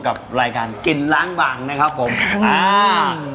กับรายการกินร้านบางครับครับ